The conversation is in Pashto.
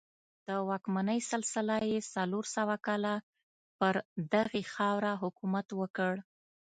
د واکمنۍ سلسله یې څلور سوه کاله پر دغې خاوره حکومت وکړ